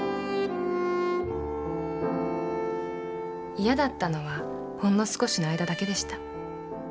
イヤだったのはほんの少しの間だけでした。